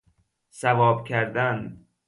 صواب کردن